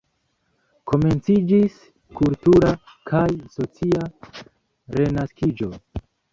Komenciĝis kultura kaj socia renaskiĝo.